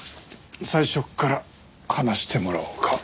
最初から話してもらおうか。